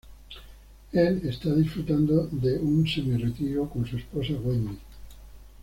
Él está disfrutando de un semi-retiro con su esposa, Wendi.